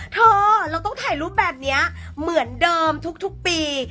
เราต้องถ่ายรูปแบบนี้เหมือนเดิมทุกปี